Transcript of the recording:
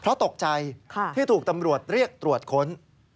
เพราะตกใจที่ถูกตำรวจเรียกตรวจค้น